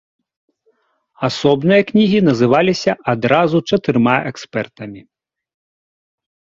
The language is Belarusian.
Асобныя кнігі называліся адразу чатырма экспертамі.